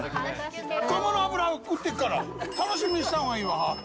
ガマの油を売ってっから、楽しみにしたほうがいいわって。